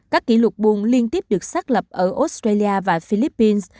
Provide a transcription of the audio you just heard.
các kỷ lục buồn liên tiếp được xác lập ở australia và philippines